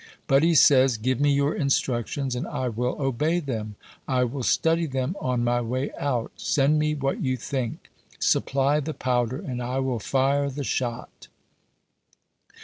But he says, 'Give me your instructions and I will obey them. I will study them on my way out. Send me what you think. Supply the powder and I will fire the shot.'